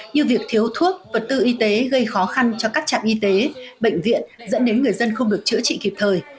như việc thiếu thuốc vật tư y tế gây khó khăn cho các trạm y tế bệnh viện dẫn đến người dân không được chữa trị kịp thời